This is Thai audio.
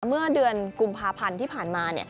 เมื่อเดือนกุมภาพันธ์ที่ผ่านมา